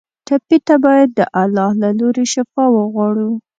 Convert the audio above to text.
ټپي ته باید د الله له لورې شفا وغواړو.